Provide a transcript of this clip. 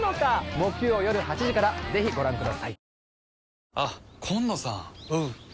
木曜夜８時からぜひご覧ください。